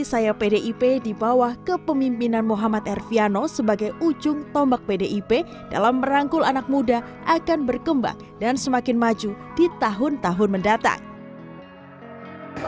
saya pdip di bawah kepemimpinan muhammad erviano sebagai ujung tombak pdip dalam merangkul anak muda akan berkembang dan semakin maju di tahun tahun mendatang